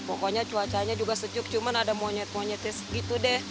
pokoknya cuacanya juga sejuk cuman ada monyet monyetnya segitu deh